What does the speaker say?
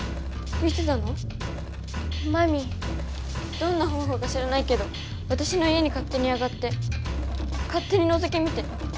どんな方法か知らないけどわたしの家にかってに上がってかってにのぞき見て。